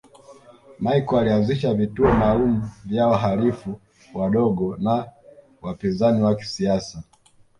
Machel alianzisha vituo maalumu vya wahalifu wadogo na wapinzani wa kisiasa